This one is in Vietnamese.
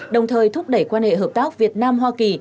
đồng thời thúc đẩy quan hệ hợp tác việt nam hoa kỳ